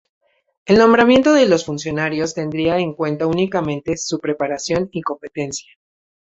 El nombramiento de los funcionarios tendría en cuenta únicamente su preparación y competencia.